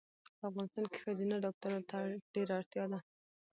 په افغانستان کې ښځېنه ډاکټرو ته ډېره اړتیا ده